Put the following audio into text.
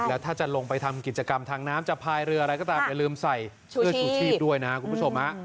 แล้วถ้าจะลงไปทำกิจกรรมทางน้ำจะพายเรืออะไรก็ตามอย่าลืมใส่เสื้อชูชีพด้วยนะคุณผู้ชม